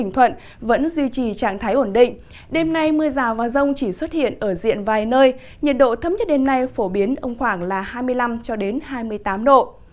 trên mưa rào và rông chỉ xuất hiện ở diện vài nơi nhiệt độ thấm nhất đêm nay phổ biến ông khoảng là hai mươi năm hai mươi tám độ